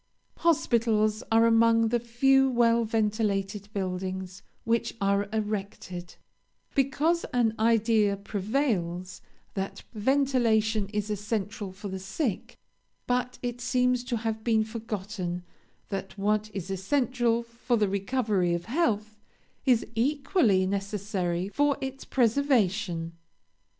Hospitals are among the few well ventilated buildings which are erected, because an idea prevails that ventilation is essential for the sick, but it seems to have been forgotten that what is essential for the recovery of health is equally necessary for its preservation.